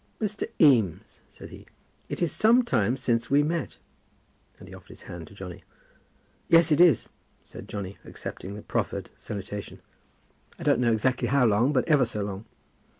"Mr. Eames," said he, "it is some time since we met." And he offered his hand to Johnny. "Yes, it is," said Johnny, accepting the proffered salutation. "I don't know exactly how long, but ever so long."